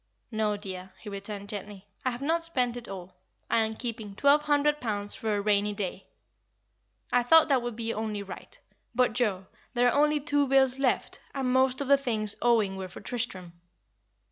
"No, dear," he returned, gently, "I have not spent it all. I am keeping twelve hundred pounds for a rainy day. I thought that would be only right. But, Joa, there are only two bills left, and most of the things owing were for Tristram."